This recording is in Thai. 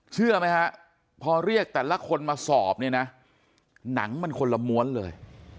เชื่อไหมฮะพอเรียกแต่ละคนมาสอบเนี่ยนะหนังมันคนละม้วนเลย